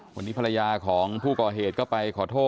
ไม่มีทางที่จะสู้ออฟไม่ได้